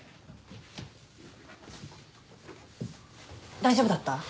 大丈夫だった？